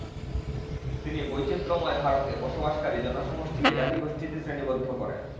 তিনি বৈচিত্র্যময় ভারতে বসবাসকারী জনসমষ্টিকে জাতিগোষ্ঠীতে শ্রেণীবদ্ধ করেন।